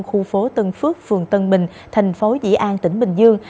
khu phố tân phước phường tân bình thành phố dĩ an tỉnh bình dương